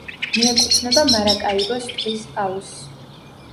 მიეკუთვნება მარაკაიბოს ტბის აუზსს.